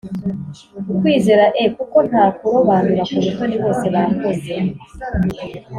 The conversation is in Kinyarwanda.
ukwizera e kuko nta kurobanura ku butoni Bose bakoze